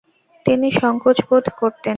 তিনি সংকোচ বোধ করতেন।